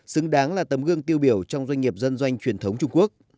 xứng đáng là tấm gương tiêu biểu trong doanh nghiệp dân doanh truyền thống trung quốc